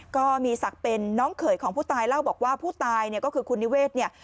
ก็มีศักดิ์เป็นน้องเขยของผู้ตายเล่าบอกว่าผู้ตายเนี่ยก็คือคุณนิเวศเนี่ย